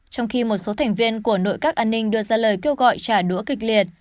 trong khi một số thành viên của nội các an ninh đưa ra lời kêu gọi trả đũa kịch liệt